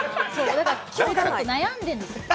だから今日、ちょっと悩んでるんです。